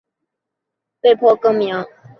然前者却因专利与商标问题被迫更名。